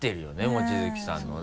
望月さんのね。